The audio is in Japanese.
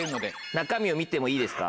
中身を見てもいいですか？